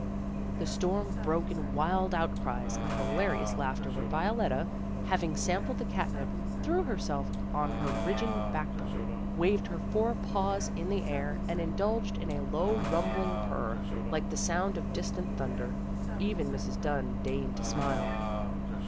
The storm broke in wild outcries and CHRISTMAS CELEBRATIONS 213 hilarious laughter when Violetta, having sampled the catnip, threw herself on her ridging backbone, waved her four paws in the air, and indulged in a low rumbling purr, like the sound of distant thunder. Even Mrs. Dunn deigned to smile.